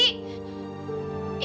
ibu ini kenapa sih